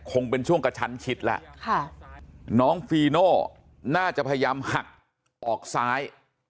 คงเป็นช่วงกระชั้นชิดแล้วน้องฟีโน่น่าจะพยายามหักออกซ้าย